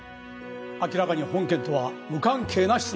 明らかに本件とは無関係な質問です。